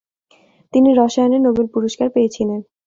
তিনি রসায়নের নোবেল পুরস্কার পেয়েছিলেন ।